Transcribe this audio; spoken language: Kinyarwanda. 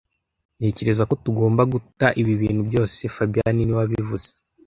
Ntekereza ko tugomba guta ibi bintu byose fabien niwe wabivuze